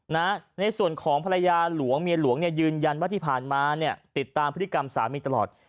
ในส่วนของภรรยาหลวงเมียหลวงเนี่ยยืนยันว่าที่ผ่านมาเนี่ยติดตามพฤติกรรมสามีตลอด